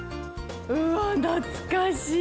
うわっ懐かしい！